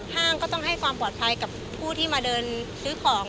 ห้างก็ต้องให้ความปลอดภัยกับผู้ที่มาเดินซื้อของ